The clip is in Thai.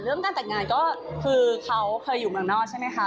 การแต่งงานก็คือเขาเคยอยู่เมืองนอกใช่ไหมคะ